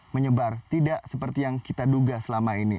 menyebar tidak seperti yang kita duga selama ini